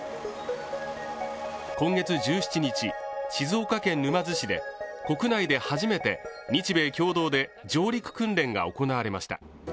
今月１７日静岡県沼津市で国内で初めて日米共同で上陸訓練が行われました